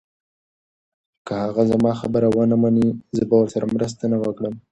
که هغه زما خبره ونه مني، زه به ورسره مرسته ونه کړم.